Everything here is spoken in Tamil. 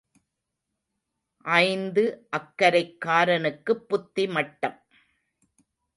ஐந்து அக்கரைக்காரனுக்குப் புத்தி மட்டம்.